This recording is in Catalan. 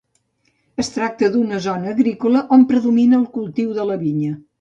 Es tracta d'una zona agrícola, on predomina el cultiu de la vinya.